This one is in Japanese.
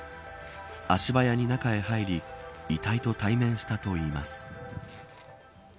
足早に中に入り遺体と対面したといいます。